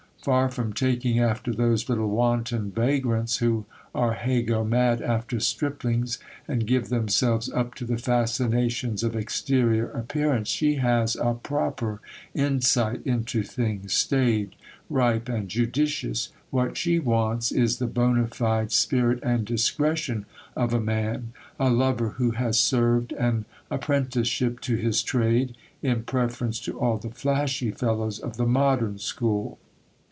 Far from taking after those little wanton vagrants, who are hey go mad after striplings, and give themselyes up to the fascinations of exterior appearance, she has a proper insight into things, staid, ripe, and judicious : what she wants is the bona fide spirit and discretion of a man ; a lover who has served an apprenticeship to his trade, in preference to all the flashy fellows of the modern school.